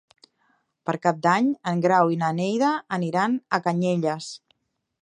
Per Cap d'Any en Grau i na Neida aniran a Canyelles.